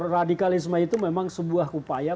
radikalisme itu memang sebuah upaya